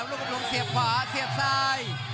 ลูกอำลงเสียบขวาเสียบซ้าย